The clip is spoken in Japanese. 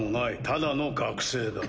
ただの学生だ。